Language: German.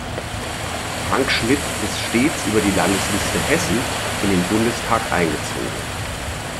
Frank Schmidt ist stets über die Landesliste Hessen in den Bundestag eingezogen.